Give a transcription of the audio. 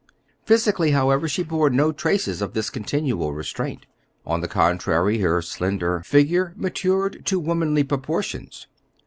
Physically, however, she bore no traces of this continual restraint. On the contrary, her slender figure matured to womanly proportions.